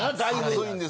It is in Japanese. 暑いんです。